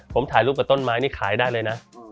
ผมถ่ายรูปกับต้นไม้นี่ขายได้เลยนะ